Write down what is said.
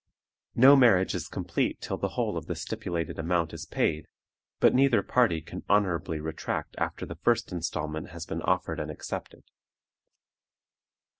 No marriage is complete till the whole of the stipulated amount is paid, but neither party can honorably retract after the first installment has been offered and accepted.